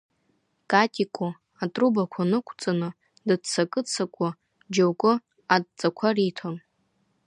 Катико атрубка нықәҵаны дыццакы-ццакуа џьоукы адҵақәа риҭоит.